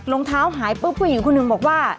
รองเท้าหายปุ๊บผู้หญิงคนหนึ่งบอกว่า